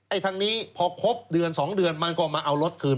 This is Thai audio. ทางนี้พอครบเดือน๒เดือนมันก็มาเอารถคืน